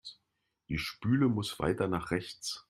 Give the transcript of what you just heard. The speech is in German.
Die Spüle muss weiter nach rechts.